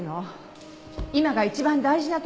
今が一番大事な時なの。